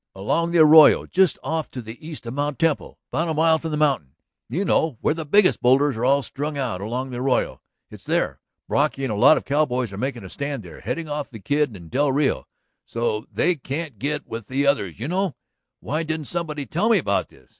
"Along the arroyo just off to the east of Mt. Temple. About a mile from the mountain ... you know where the biggest boulders are all strung out along the arroyo? It's there. Brocky and a lot of cowboys are making a stand there, heading off the Kid and del Rio. So they can't get with the others, you know. ... Why didn't somebody tell me about this?"